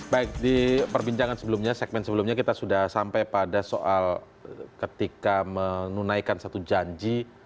baik di perbincangan sebelumnya segmen sebelumnya kita sudah sampai pada soal ketika menunaikan satu janji